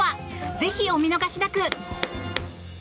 ぜひお見逃しなく。